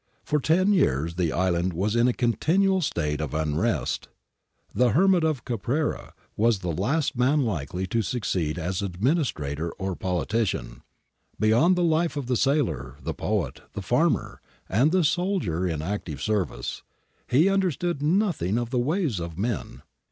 For ten years the island was in a continual state of unrest.^ The 'hermit of Caprera ' was the last man likely to succeed as administrator or politician. Beyond the life of the sailor, the poet, the farmer, and the soldier in active service, he understood nothing of the ways of men.